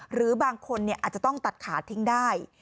หรือบางคนอาจจะต้องตัดขาทิ้งได้